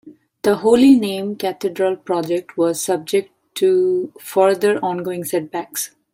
The Holy Name Cathedral project was subject to further ongoing setbacks.